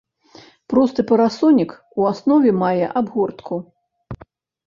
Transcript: Просты парасонік у аснове мае абгортку.